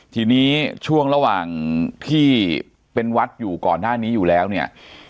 ทีนี้ช่วงระหว่างที่เป็นวัดอยู่ก่อนหน้านี้อยู่แล้วเนี่ย